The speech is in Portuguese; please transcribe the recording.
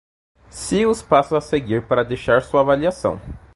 Siga os passos a seguir para deixar sua avaliação: